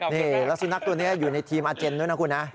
นี่แล้วสุนัขตัวนี้อยู่ในทีมอาเจนด้วยนะคุณนะ